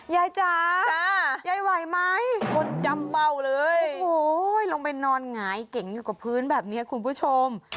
ยายจ๋ายายไหวไหมโอ้โฮลงไปนอนหงายเก่งอยู่กับพื้นแบบนี้คุณผู้ชม